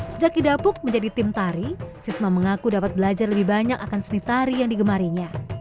sejak didapuk menjadi tim tari sisma mengaku dapat belajar lebih banyak akan seni tari yang digemarinya